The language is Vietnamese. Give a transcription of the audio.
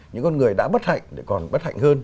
những con người đã bất hạnh còn bất hạnh hơn